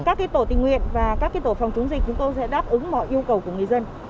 các tổ tình nguyện và các tổ phòng chống dịch chúng tôi sẽ đáp ứng mọi yêu cầu của người dân